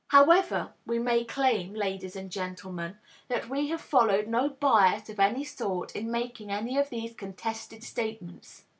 However, we may claim, ladies and gentlemen, that we have followed no bias of any sort in making any of these contested statements.